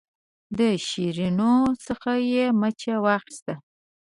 د شیرینو څخه یې مچه واخیسته.